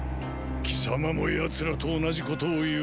貴様も奴らと同じことを言うか。